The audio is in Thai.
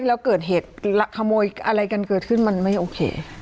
แล้วเกิดเหตุขโมยอะไรกันเกิดขึ้นมันไม่โอเค